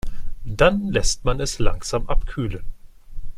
Dann lässt man es langsam abkühlen.